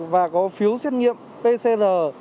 và có phiếu xét nghiệm pcr